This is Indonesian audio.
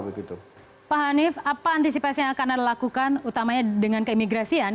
pak hanif apa antisipasi yang akan anda lakukan utamanya dengan keimigrasian